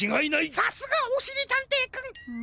さすがおしりたんていくん！